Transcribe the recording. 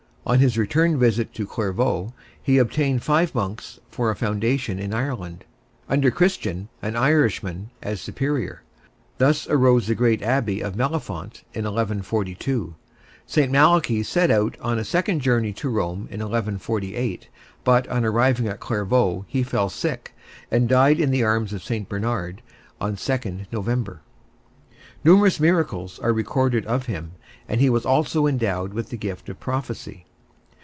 On his return visit to Clairvaux he obtained five monks for a foundation in Ireland, under Christian, an Irishman, as superior: thus arose the great Abbey of Mellifont in 1142. St. Malachy set out on a second journey to Rome in 1148, but on arriving at Clairvaux he fell sick, and died in the arms of St. Bernard, on 2 November. Numerous miracles are recorded of him, and he was also endowed with the gift of prophecy.